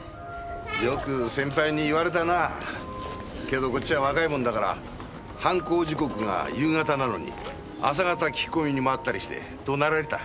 けどこっちは若いもんだから犯行時刻が夕方なのに朝方聞き込みに回ったりして怒鳴られた。